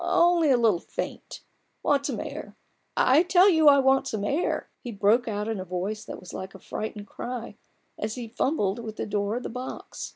" Only a little faint ; want some air !— I tell you I want some air !" he broke out in a voice that was like a frightened cry, as he fumbled with the door of the box.